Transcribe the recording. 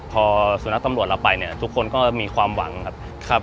พอสุนัขตำรวจเราไปเนี่ยทุกคนก็มีความหวังครับ